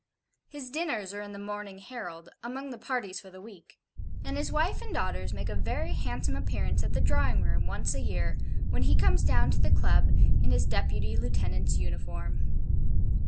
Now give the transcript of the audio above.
His dinners are in the MORNING HERALD, among the parties for the week; and his wife and daughters make a very handsome appearance at the Drawing Room, once a year, when he comes down to the Club in his Deputy Lieutenant's uniform.